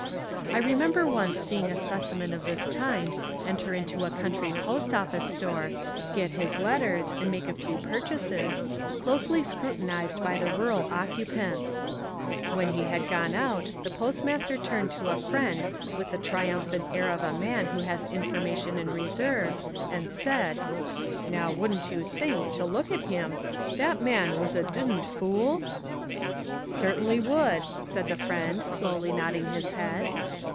I remember once seeing a specimen of this kind enter into a country post office store, get his let ters, and make a few purchases, closely scru tinised by the rural occupants. When he had gone out the postmaster turned to a friend with the triumphant air of a man who has informa tion in reserve and said, "Now wouldn't you 80 Literature and Education in America think, to look at him, that man was a d fool?" "Certainly would," said the friend, slowly nodding his head.